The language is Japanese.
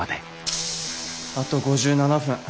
あと５７分。